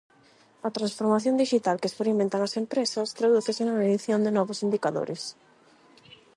A transformación dixital que experimentan as empresas tradúcese na medición de novos indicadores.